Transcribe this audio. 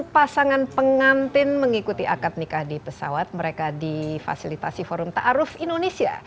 dua puluh satu pasangan pengantin mengikuti akad nikah di pesawat mereka di fasilitasi forum ta'aruf indonesia